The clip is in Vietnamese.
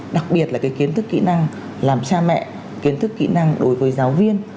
đặc biệt là cái kiến thức kỹ năng làm cha mẹ kiến thức kỹ năng đối với giáo viên